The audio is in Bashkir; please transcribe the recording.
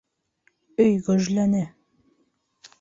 Өй гөжләне.